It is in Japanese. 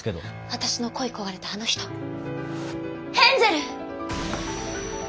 私の恋い焦がれたあの人ヘンゼル！